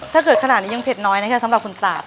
ถ้าเกิดขนาดนี้ยังเผ็ดน้อยนะคะสำหรับคนตราด